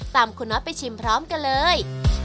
ตามคุณน็อตไปชิมพร้อมกันเลย